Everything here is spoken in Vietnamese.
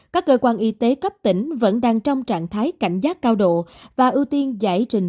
các cơ quan y tế cấp tỉnh vẫn đang trong trạng thái cảnh giác cao độ và ưu tiên giải trình